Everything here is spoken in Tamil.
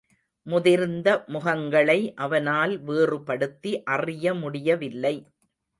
முதிர்ந்த முகங்களை அவனால் வேறுபடுத்தி அறியமுடியவில்லை.